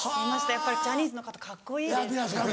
やっぱりジャニーズの方カッコいいです。